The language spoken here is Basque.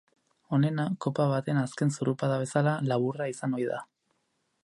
Onena, kopa baten azken zurrupada bezala, laburra izan ohi da.